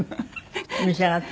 召し上がって？